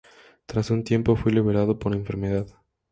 Tras un tiempo, fue liberado por enfermedad.